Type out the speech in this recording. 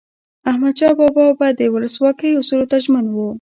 احمدشاه بابا به د ولسواکۍ اصولو ته ژمن و.